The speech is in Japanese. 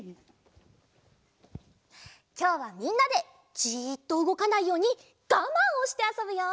きょうはみんなでじっとうごかないようにガマンをしてあそぶよ。